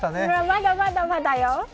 まだまだまだよ。